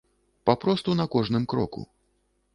Папросту на кожным кроку.